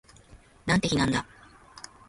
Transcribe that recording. なんて日なんだ